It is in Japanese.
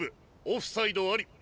オフサイドあり。